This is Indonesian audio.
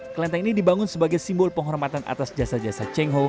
kelenteng ini dibangun sebagai simbol penghormatan atas jasa jasa cheng ho